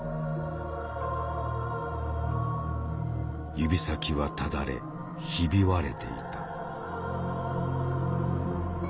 指先はただれひび割れていた。